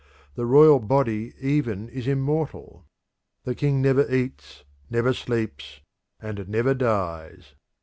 The royal body even is immortal. The king never eats, never sleeps, and never dies.